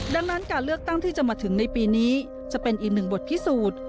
ดังนั้นการเลือกตั้งที่จะมาถึงในปีนี้จะเป็นอีกหนึ่งบทพิสูจน์